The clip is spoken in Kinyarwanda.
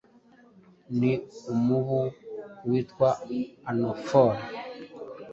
ni umubu witwa anophele